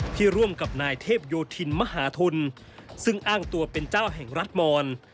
ร่วมกับนายเทพโยธินมหาทุนซึ่งอ้างตัวเป็นเจ้าแห่งรัฐมอน